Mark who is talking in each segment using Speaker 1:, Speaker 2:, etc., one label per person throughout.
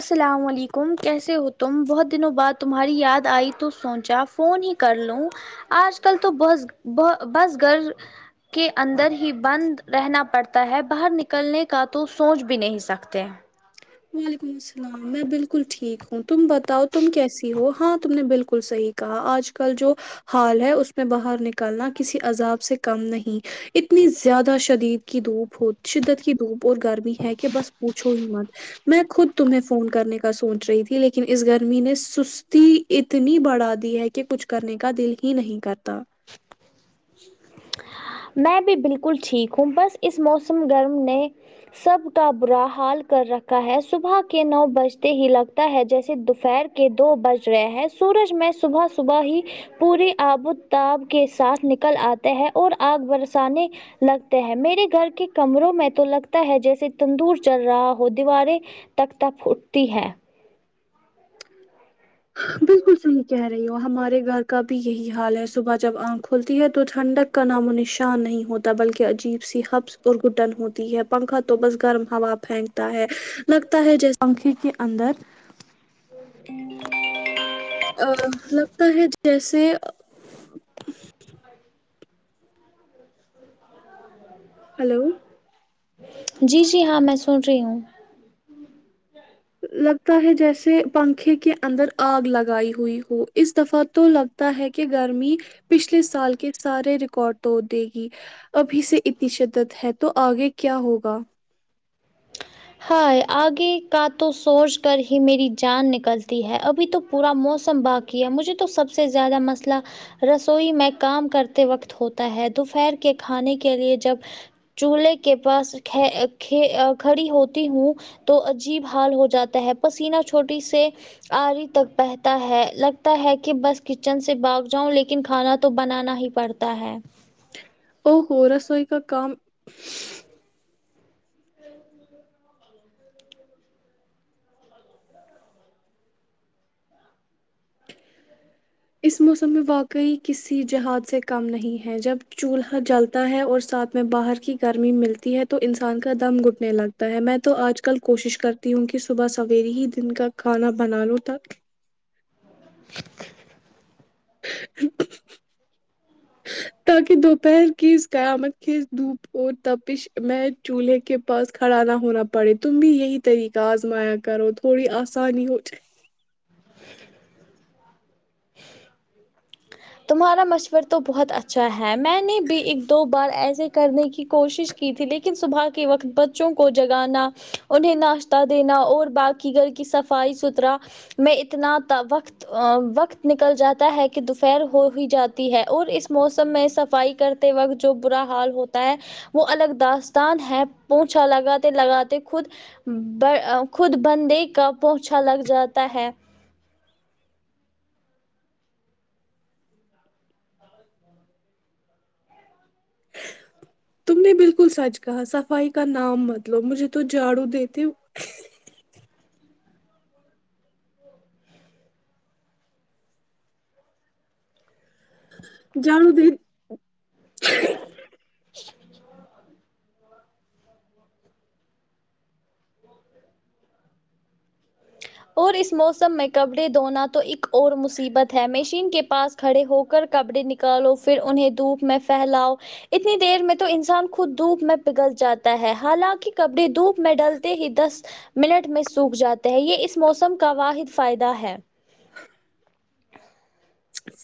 Speaker 1: السلام علیکم کیسے ہو تم بہت دنوں بعد تمہاری یاد آئی تو سوچا فون ہی کر لوں آج کل تو بس بس گھر کے اندر ہی بند رہنا پڑتا ہے باہر نکلنے کا تو سوچ بھی نہیں سکتے
Speaker 2: وعلیکم السلام میں بالکل ٹھیک ہوں تم بتاؤ تم کیسی ہو ہاں تم نے بالکل صحیح کہا آج کل جو حال ہے اس میں باہر نکالنا کسی عذاب سے کم نہیں اتنی زیادہ شدید کی دھوپ ہو شدت کی دھوپ اور گرمی ہے کہ بس پوچھو ہی مت میں خود تمہیں فون کرنے کا سوچ رہی تھی لیکن اس گرمی نے سس تی اتنی بڑھا دی ہے کہ کچھ کرنے کا دل ہی نہیں کرتا
Speaker 1: میں بھی بالکل ٹھیک ہوں بس اس موسم گرم نے سب کا برا حال کر رکھا ہے صبح کے نو بجتے ہی لگتا ہے جیسے دوپہر کے دو بج رہے ہیں سورج میں صبح صبح ہی پوری ابو تاب کے ساتھ نکل اتے ہے اور اگ برسانے لگتے ہیں میرے گھر کے کمروں میں تو لگتا ہے جیسے تندور چل رہا ہو دیواریں تکتب اٹھتی ہے [unintelligible]
Speaker 2: ہم کہہ رہی ہو ہمارے گھر کا بھی یہی حال ہے صبح جب انکھ کھلتی ہے تو ٹھنڈک کا نام و نشان نہیں ہوتا بلکہ عجیب سی ہبس اور گھٹن ہوتی ہے پنکھا تو بس گرم ہوا پنک تا ہے لگتا ہے جیسے پنکھے کے اندر
Speaker 1: [inaudible]
Speaker 2: ا لگتا ہے جیسے ہیلو
Speaker 1: جی جی ہاں میں سن رہی ہوں
Speaker 2: لگتا ہے جیسے پنکھے کے اندر اگ لگائی ہوئی ہو اس دفعہ تو لگ تا ہے کہ ہے کہ گرمی پچھلے سال کے سارے ریکارڈ توڑ دے گی ابھی سے اتنی شدت ہے تو اگے کیا ہوگا
Speaker 1: ہائے اگے کا تو سوچ کر ہی میری جان نکلتی ہے ابھی تو پورا موسم با باقی ہے مجھے تو سب سے زیادہ مسئلہ رسوئی میں کام کرتے وقت ہوتا ہے دوپہر کے کھانے کے لیے جب چولہے کے پاس کھ کھ کھڑی ہوتی ہو تہوں تو عجیب حال ہو جاتا ہے پسینہ چھوٹی سے اری تک بہتا ہے لگتا ہے کہ بس کچن سے بھاگ جاؤں لیکن کھانا تو بنانا ہی پڑتا تا ہے
Speaker 2: او ہو رسوئی کا کام
Speaker 1: [unintelligible]
Speaker 2: اس موسم میں واقعی کسی جہاد سے کم نہیں ہے جب چولہا جل تا ہے اور ساتھ میں باہر کی گرمی ملتی ہے تو انسان کا دم گھٹنے لگتا وتا ہے میں تو اج کل کوشش کرتی ہوں کہ صبح سویرے ہی دن کا کھانا بنا لو تک تاکہ دوپہر کی اس قیامت کی دھوپ اور تپش میں چولہے کے پاس کھڑا نہ ہونا پڑے تم بھی یہی طریقہ آزمایا کرو تھوڑی آسانی ہو جائے
Speaker 1: تمہارا مشور تو بہت اچھا ہے میں نے بھی ایک دو بار ایسے کرنے کی کوشش کی تھی لیکن صبح کے وقت بچوں کو جگانا انہیں ناشتہ دینا اور باقی گھر کی صفائی ستھرا میں اتنا تا وقت وقت نکل جاتا ہے کہ دو پہر ہو ہی جاتی ہے اور اس موسم میں صفائی کرتے وقت جو برا حال ہوتا ہے وہ الگ داستان ہے پوچھا لگاتے لگاتے خود بر خود بندے کا پونچا لگ جاتا ہے
Speaker 2: تم نے بالکل سچ کہا صفائی کا نام مت لو مجھے تو جھاڑو دیتے جان دید
Speaker 1: [inaudible] اور اس موسم میں کپڑے دھونا تو ایک اور مصیبت ہے مشین کے پاس کھڑے ہو کر کپڑے نکالو پھر انہیں دھوپ میں فھیلاؤ اتنی دیر میں تو انسان خود دھوپ میں پگل جاتا ہے حالاکہ کپڑے دھوپ میں ڈلتے ہی دس منٹ میں سوکھ جاتے ہیں یہ اس موسم کا واحد فائدہ ہے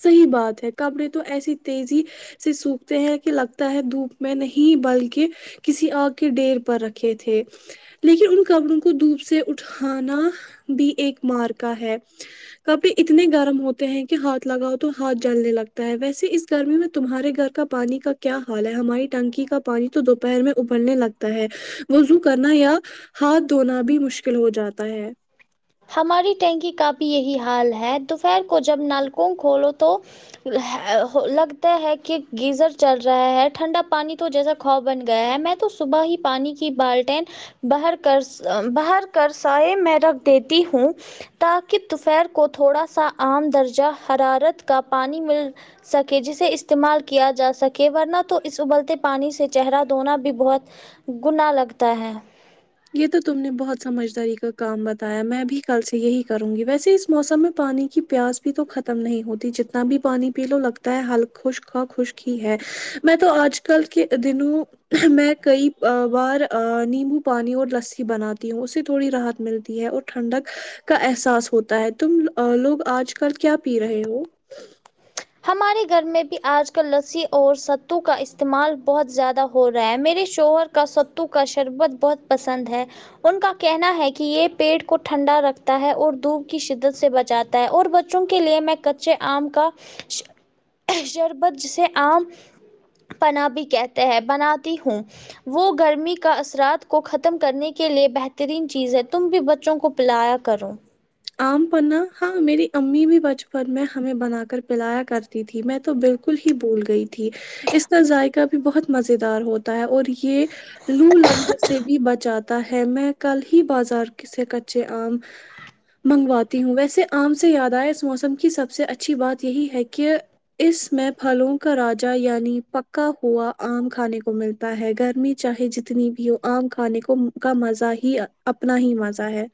Speaker 2: صحیح بات ہے کپڑے تو ایسی تیزی سے سوکھتے ہیں کہ لگتا ہے دھوپ میں نہیں بلکہ کسی آ گ کے ڈہیر پر رکھے تھے لیکن ان کپڑوں کو دھوپ سے اٹھانا بھی ایک مارکا ہے کبھی اتنے گرم ہوتے ہیں کہ ہاتھ ہاتھ لگاؤ تو ہاتھ جلنے لگتا ہے ویسے اس گرمی میں تمہارے گھر کا پانی کا کیا حال ہے ہماری ٹینکی کا پانی تو دوپہر میں ابلنے لگتا ہے وضو کرنا یا ہاتھ دھونا بھی مشکل ہو جاتا ہے
Speaker 1: ہماری ٹینکی کا بھی یہی حال ہے دوپہر کو جب نل کو کھولو تو لگتا ہے کہ گیزر چل رہا ہے ٹھنڈا پانی تو جیسا خوا بن گیا ہے میں تو صبح ہی پانی کی بالٹیں باہر کر س باہر کر سائے میں رکھ دیتی ہوں تاکہ توفیر کو تھوڑا سا عام درجہ حرارت کا پانی مل سکے جسے استعمال کیا جا سکے ورنہ تو اس ابلتے پانی سے چہرہ دھونا بھی بہت گناہ لگتا ہے
Speaker 2: یہ تو تم نے بہت سمجھداری کا کام بتایا میں بھی کل سے یہی کرونگی ویسے اس موسم میں پانی کی پیاس بھی تو ختم نہیں ہوتی جتنا بھی پانی پی لو لگتا ہے حلق خشک کا خشک ہی ہے میں تو آج کل کے دنوں میں کئی بار نیمبو پانی اور لسسی بناتی ہوں اس سے تھوڑی راحت ملتی ہے اور ٹھنڈک کا احساس ہوتا ہے تم لوگ آج کل کیا پی رہے ہو
Speaker 1: ہمارے گھر میں بھی آج کل لسسی اور ستو کا استعمال بہت زیادہ ہو رہا ہے میرے شوہر کا ستو کا شربت بہت پسند ہے ان کا کہنا ہے کہ یہ پیٹ کو ٹھنڈا رکھتا ہے اور دھوپ کی شدت سے بچاتا میں اور بچوں کے لیے میں کچے آم کا ش شربت جیسے آم پناہ بھی کہتے ہیں بناتی ہوں وہ گرمی کا اثرات کو ختم کرنے کے لئے بہترین چیز ہے تم بھی بچوں کو پیلایا کرو
Speaker 2: آم پناہ ہاں میری امی بھی بچپن میں ہمیں بنا کر پیلایا کرتی تھی میں تو بالکل ہی بھول گئی تھی اس کا ذائقہ بھی بہت مزیدار ہوتا ہے اور یہ لو لگنے سے بھی بچاتا ہے میں کل ہی بازار سے کچے آم منگواتی ہوں ویسے آم سے یاد آیا اس موسم کی سب سے اچھی بات یہی ہے کہ اس میں پھلوں کا راجا یعنی پکا ہوا آم کھانے کو ملتا ہوتا ہے گرمی چاہے جتنی بھی ہو آم کھانے کو منہ کا مزہ ہی اپنا ہی مزہ ہے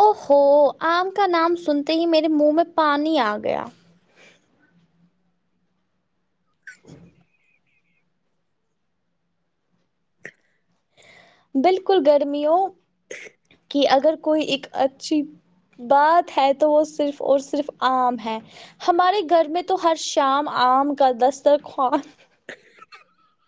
Speaker 1: او ہو آم کا نام سنتے ہی میرے منہ میں پانی آ گیا بالکل گرمیوں
Speaker 2: [inaudible]
Speaker 1: کہ اگر کوئی ایک اچھی بات ہے تو وہ صرف اور صرف آم ہے ہمارے گھر میں تو ہر شام آم کا دسترخوان
Speaker 2: [inaudible]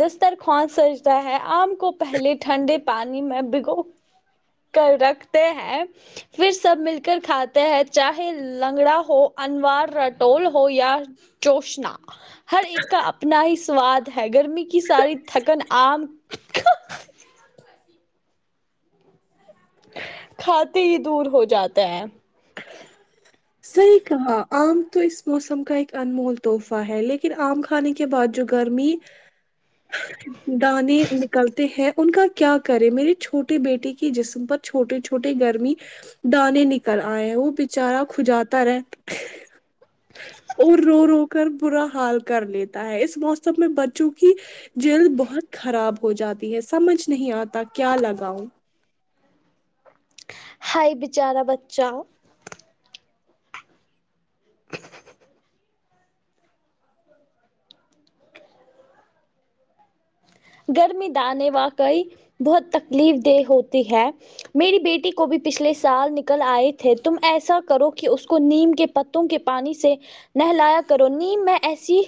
Speaker 1: دستر خوان سجتا ہے آم کو پہلے ٹھنڈے پانی میں بھگو کر رکھتے ہیں پھر سب مل کر کھاتے ہیں چاہے لنگڑا ہو انوار رٹول ہو یا چوشنا ہر ایک کا اپنا ہی سواد ہے گرمی کی ساری تھکن آم کھاتے ہی دور ہو جاتا ہیں
Speaker 2: صحیح کہاں آم تو اس موسم کا ایک انمول تحفہ ہے لیکن آم کھانے کے بعد جو گرمی دانے نکلتے ہیں ان کا کیا کریں میری چھوٹی بیٹی کی جسم پر چھوٹے چھوٹے گرمی دانے نکل آئیں وہ بےچارا کھوجاتارہتا ہہ اور رو رو کر برا حال کر لیتا ہے اس موسم میں بچوں کی جلد بہت خراب ہو جاتی ہے سمجھ نہیں آتا کیا لگاؤ
Speaker 1: ہائی بیچارا بچہ گرمی دانے واقعی بہت تکلیف دہ ہوتی ہے میری بیٹی کو بھی پچھلے سال نکل آئے تھے تم ایسا کرو کہ اس کو نیم کے پت کے پانی سے نہلایا کرو نیم میں ایسی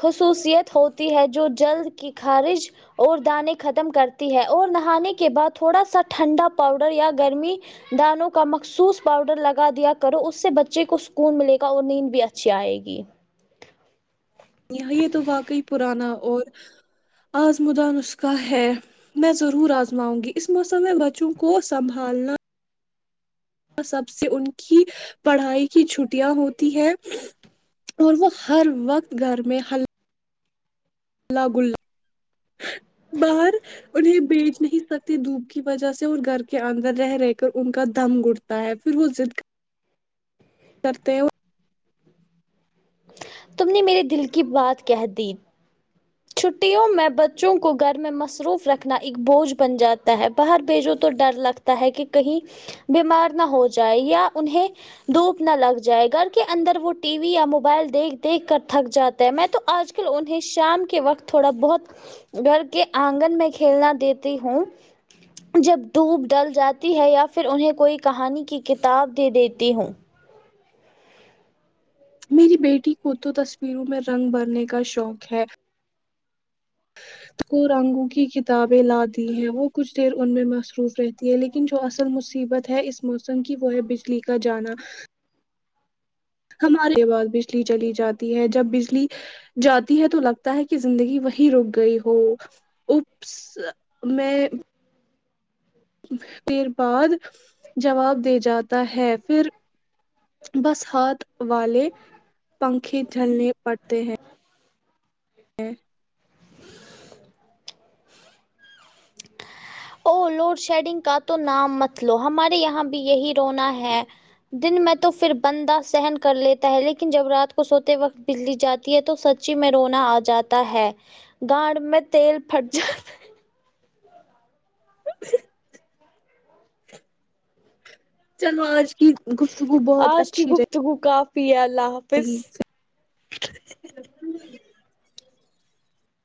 Speaker 1: خصوصیت ہوتی ہے جو جلد کی خارج اور دانے ختم کرتی ہے اور نہانے کے بعد تھوڑا سا ٹھنڈا پاؤڈر یا گرمی دانوں کا مخصوص پاؤڈر لگا دیا کرو اس سے بچے کو سکون ملے گا اور نیند بھی اچھی آئے گی
Speaker 2: یہ یہ تو واقعی پرانا اور آزمدان نسکا ہے میں ضرور آزماؤں گی اس موسم میں بچوں کو سنبھالنا اور سب سے ان کی پڑھائی کی چھٹیاں ہوتی ہے اور وہ ہر وقت گھر میں ہ اللہ گل باہر انہیں بیچ نہیں سکتے دھوپ کی وجہ سے اور گھر کے اندر رہ رہ کر ان کا دم گڑتا تا ہے پھر وہ ضد کرتے ہو
Speaker 1: تم نے میرے دل کی بات کہہ دی چھٹیوں میں بچوں کو گر میں مصروف رکھنا ایک بوجھ بن جاتا ہے باہر بیجو تو ڈر لگتا ہے کہ کہیں بیمار نہ ہو جائے یا انہیں دوپ نہ لگ جائے گر کے اندر وہ ٹی وی یا موبائل دیکھ دیکھ کر تھک جاتے ہے میں تو آج انہیں شام کے وقت تھوڑا بہت گھر کے آنگن میں کھیلنا دیتی ہوں جب دوپ ڈل جاتی ہے یا پھر انہیں کوئی کہانی کی کتاب دے دیتی ہوں
Speaker 2: میری بیٹی کو تو تصویروں میں رنگ بھرنے کا شوق ہے کو رنگوں کی کتابیں لاتی ہیں وہ کچھ پھر ان میں مصروف رہتی ہے لیکن جو اصل مصیبت ہے اس موسم کی وہ ہے بجلی کا جانا ہمارے پاس بجلی چلی جاتی ہے جب بجلی جاتی ہے تو لگتا ہے کہ زندگی وہی رک گئی ہو اپس میں پیر بعد جواب دے جاتا ہے فر بس ہاتھ والے پنکھے ڈھالنے پڑتے ہیں ہوں
Speaker 1: او لوڈ شیڈنگ کا تو نام مت لو ہمارے یہاں بھی یہی رونا ہے دن میں تو فر بندہ سہن کر لیتا ہے لیکن جب رات کو سوتے وقت بلی جاتی تو سچی میں رونا آ جاتا ہے گانڈ میں تیل پھٹ جاتا
Speaker 2: چلو آج کی گ گفتگو بہت اچھی رہی
Speaker 1: پی یا اللہ ہو
Speaker 2: صحی